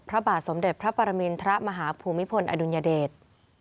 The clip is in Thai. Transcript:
พระบาทสมเด็จพระปรมินทรมาฮภูมิพลอดุลยเดช